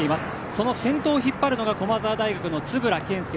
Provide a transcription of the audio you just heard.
その先頭を引っ張るのが駒澤大学の円健介。